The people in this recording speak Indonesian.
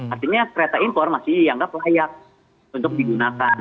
artinya kereta impor masih dianggap layak untuk digunakan